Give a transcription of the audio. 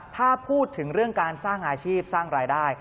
ถ้าพูดถึงเรื่องการสร้างอาชีพสร้างรายได้